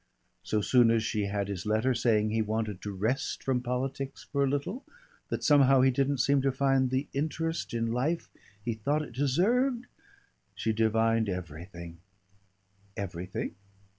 So soon as she had his letter saying he wanted to rest from politics for a little, that somehow he didn't seem to find the interest in life he thought it deserved, she divined everything " "Everything?